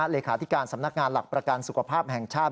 เลขาธิการสำนักงานหลักประกันสุขภาพแห่งชาติ